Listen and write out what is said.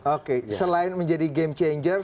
oke selain menjadi game changer